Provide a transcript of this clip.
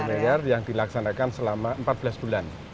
dua ratus tujuh puluh empat miliar yang dilaksanakan selama empat belas bulan